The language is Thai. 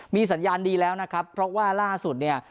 มีสัญญาณดีแล้วนะครับเพราะว่าล่าสุดเนี่ย